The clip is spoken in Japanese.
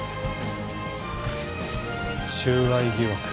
収賄疑惑